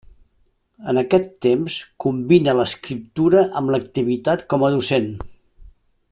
En aquest temps combina l'escriptura amb l'activitat com a docent.